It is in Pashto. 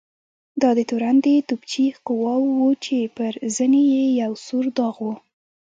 دا تورن د توپچي قواوو و چې پر زنې یې یو سور داغ و.